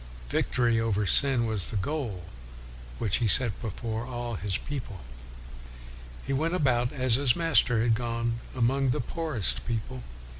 Victory over sin was the goal which he set before all his people.' 1 He went about, as his Master had gone, among the poorest people.